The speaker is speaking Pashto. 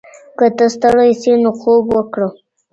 که ته ستړی یې نو خوب وکړه.